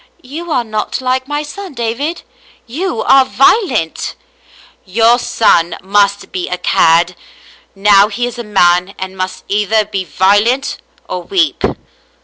*' You are not like my son, David. You are violent." " Your son has been a cad. Now he is a man, and must either be violent or weep."